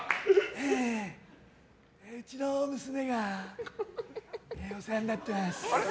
へぇうちの娘がお世話になってます。